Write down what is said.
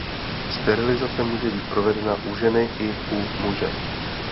Sterilizace může být provedena u ženy i u muže.